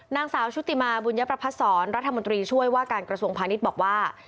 นางสาวชุติมาบุญยประพัฒนศรรัฐมนตรีช่วยว่าการกระทรวงพาณิชย์บอกว่า